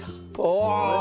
お！